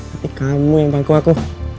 tapi kamu yang bantu aku